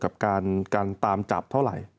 กับการตามจับเท่าไหร่